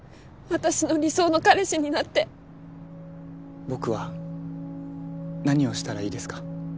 私の理想の彼氏になって僕は何をしたらいいですか？